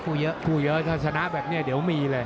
คู่เยอะถ้าสนับแบบนี้เดี๋ยวมีเลย